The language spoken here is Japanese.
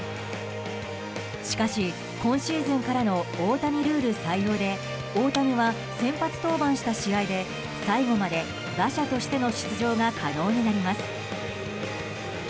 しかし、今シーズンからの大谷ルール採用で大谷は先発登板した試合で最後まで打者としての出場が可能になります。